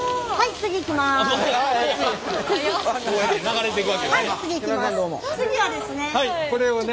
次はですね。